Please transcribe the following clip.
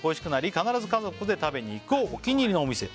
「必ず家族で食べにいくお気に入りのお店」